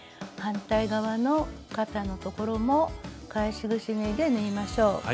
反対側の肩の所も返しぐし縫いで縫いましょう。